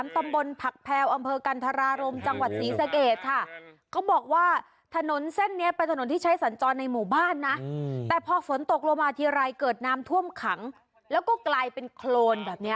แต่พอฝนตกลงมาทีไรเกิดน้ำท่วมขังแล้วก็กลายเป็นโคลนแบบเนี้ย